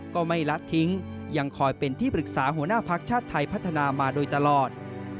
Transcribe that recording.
ก็ไม่ลัดทิ้งยังคอยเป็นที่ปรึกษาหัวหน้าภักดิ์ชาติไทยพัฒนามาโดยตลอด